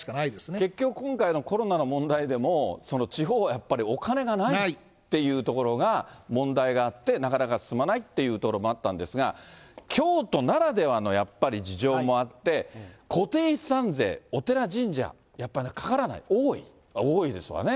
結局、今回のコロナの問題でも、地方はやっぱり、お金がないっていうところが、問題があって、なかなか進まないというところもあったんですが、京都ならではの、やっぱり事情もあって、こていしさんぜいお寺、神社、やっぱかからない、多い、多いですわね。